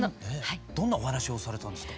どんなお話をされたんですか？